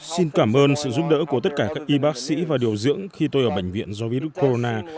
xin cảm ơn sự giúp đỡ của tất cả các y bác sĩ và điều dưỡng khi tôi ở bệnh viện do virus corona